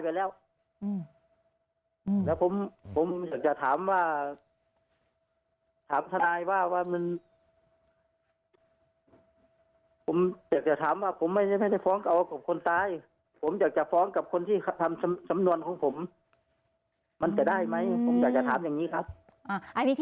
ผมอยากจะฟ้องกับคนที่ทำสำนวนของผม